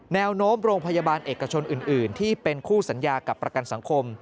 แนวโน้มโรงพยาบาลเอกชนอื่นที่เป็นคู่สัญญากับประกันสังคม